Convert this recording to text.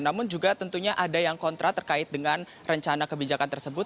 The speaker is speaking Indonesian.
namun juga tentunya ada yang kontra terkait dengan rencana kebijakan tersebut